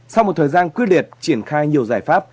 sau một thời gian quyết liệt triển khai nhiều giải pháp